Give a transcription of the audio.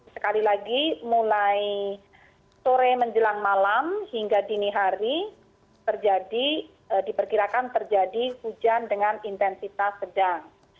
sekali lagi mulai sore menjelang malam hingga dini hari diperkirakan terjadi hujan dengan intensitas sedang